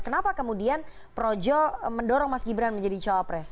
kenapa kemudian projo mendorong mas gibran menjadi cawapres